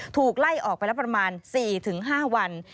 ถูกไล่ออกไปแล้วประมาณ๔๕วัน